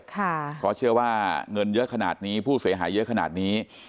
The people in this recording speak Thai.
เพราะเชื่อว่าเงินเยอะขนาดนี้ผู้เสียหายเยอะขนาดนี้